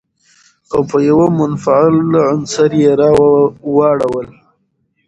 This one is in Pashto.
او په يوه منفعل عنصر يې واړوله.